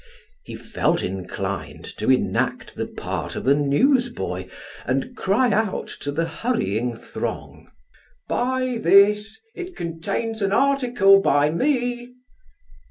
He felt inclined to enact the part of a newsboy and cry out to the hurrying throng: "Buy this! it contains an article by me!"